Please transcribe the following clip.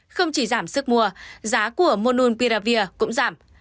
không chỉ giảm sức mua giá của mononpiravir cũng giảm